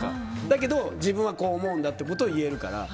だけど自分はこう思うんだってことを言えるから。